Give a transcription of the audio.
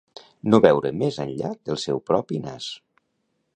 No veure més enllà del seu propi nas